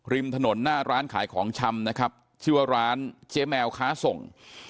ริมถนนหน้าร้านขายของชำนะครับชื่อว่าร้านเจ๊แมวค้าส่ง